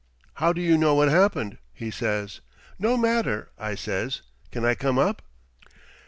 "'How do you know what happened?' he says. "'No matter,' I says; 'can I come up?'